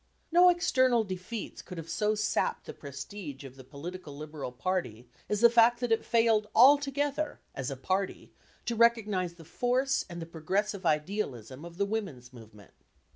No external defeats could have so sapped the prestige of the political Liberal party as the fact that it failed altogether, as a party, to recognise the force and the progressive idealism of the women's movement.